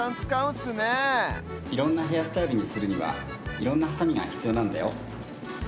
いろんなヘアスタイルにするにはいろんなハサミがひつようなんだよ。